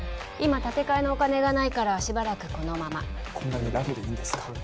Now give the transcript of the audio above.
今建て替えのお金がないからしばらくこのままこんなにラフでいいんですか？